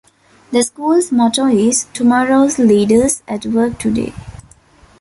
The school's motto is Tomorrow's Leaders At Work Today!